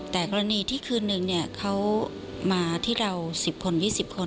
แต่กรณีที่คืนนึงเขามาที่เรา๑๐คน๒๐คน